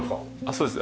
そうです。